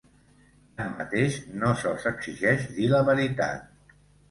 Tanmateix, no se'ls exigeix dir la veritat.